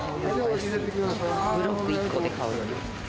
ブロック１個で買うより。